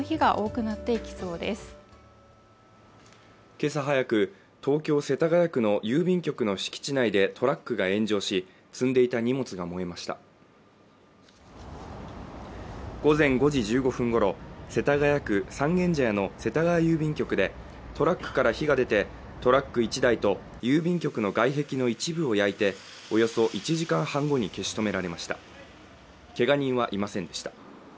けさ早く東京世田谷区の郵便局の敷地内でトラックが炎上し積んでいた荷物が燃えました午前５時１５分ごろ世田谷区三軒茶屋の世田谷郵便局でトラックから火が出てトラック１台と郵便局の外壁の一部を焼いておよそ１時間半後に消し止められましたけが人はいませんでした